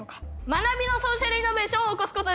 学びのソーシャルイノベーションを起こすことです。